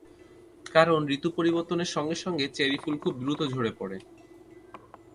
কারণ ঋতু পরিবর্তনের সঙ্গে সঙ্গে চেরি ফুল খুব দ্রুত ঝরে পড়ে।